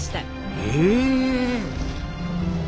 へえ。